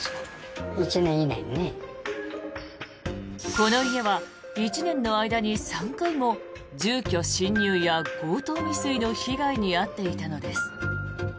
この家は１年の間に３回も住居侵入や強盗未遂の被害に遭っていたのです。